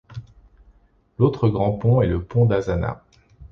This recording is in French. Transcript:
L'autre grand pont est le pont d'Azzana.